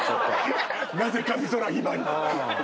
なぜか美空ひばり。